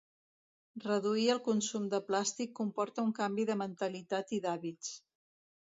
Reduir el consum de plàstic comporta un canvi de mentalitat i d'hàbits.